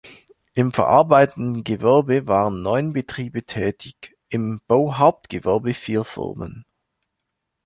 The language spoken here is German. Im verarbeitenden Gewerbe waren neun Betriebe tätig, im Bauhauptgewerbe vier Firmen.